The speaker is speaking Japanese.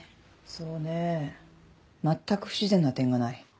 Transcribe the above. まったく不自然な点がない。